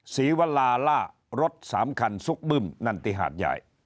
ศรีวราล่ารถ๓คันซุกบึ้มนั่นติหาดใหญ่